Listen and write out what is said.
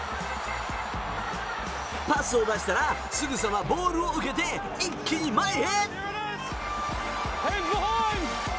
パスを出したらすぐさまボールを受けて一気に前へ！